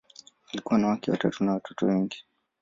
Alikuwa na wake watatu na watoto wengi.